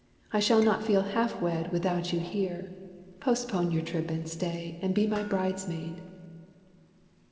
I shall not feel half wed Without you here. Postpone your trip and stay, And be my bridesmaid."